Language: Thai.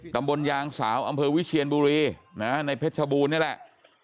ตำบลยางสาวอำเภอวิเชียนบุรีในเพชรชบูรณนี่แหละ